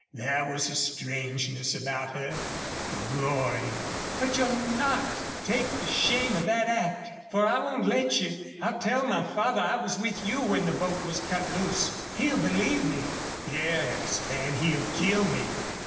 There was a strangeness about her a glory. "But you'll not take the shame of that act. For I won't let you. I'll tell my father I was with you when the boat was cut loose. He'll believe me." "Yes, an' he'll KILL me!"